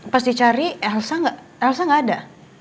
pas dicari elsa nggak ada